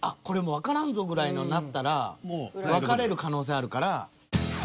これもうわからんぞぐらいのになったら分かれる可能性あるから。